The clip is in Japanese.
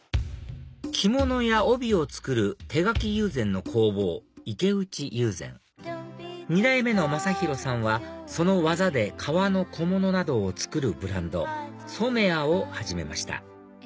着物や帯を作る手描き友禅の工房池内友禅２代目の真広さんはその技で革の小物などを作るブランドＳＯＭＥＡを始めました